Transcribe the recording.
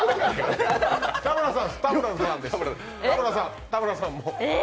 田村さん、田村さんも。え！？